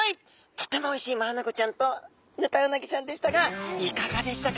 とてもおいしいマアナゴちゃんとヌタウナギちゃんでしたがいかがでしたか？